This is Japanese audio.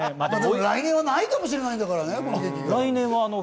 来年はないかもしれないんだからね、この檄が。